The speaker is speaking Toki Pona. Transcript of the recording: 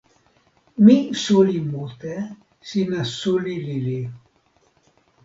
mi suli mute. sina suli lili.